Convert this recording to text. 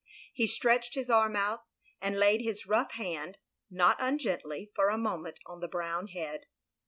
He stretched his arm out, and laid his rough hand not ungently for a moment on the brown head.